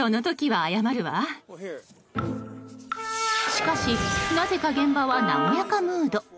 しかし、なぜか現場は和やかムード。